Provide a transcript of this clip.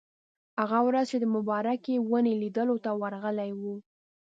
هغه ورځ چې د مبارکې ونې لیدلو ته ورغلي وو.